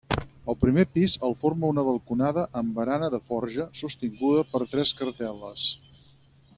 El primer pis el forma una balconada amb barana de forja, sostinguda per tres cartel·les.